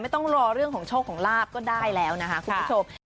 ต้องรอเรื่องของโชคของลาบก็ได้แล้วนะคะคุณผู้ชม